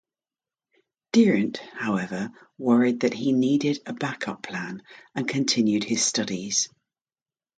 Dirnt, however, worried that he needed a backup plan and continued his studies.